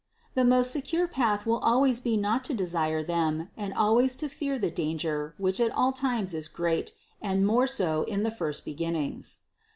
The most secure path will always be not to desire them, and always to fear the danger which at all times is great and more so in the first beginnings.